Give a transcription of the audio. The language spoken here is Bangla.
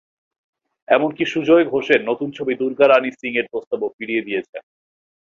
এমনকি সুজয় ঘোষের নতুন ছবি দুর্গা রানি সিং-এর প্রস্তাবও ফিরিয়ে দিয়েছেন।